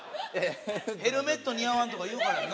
ヘルメットにあわんとか言うからやんな？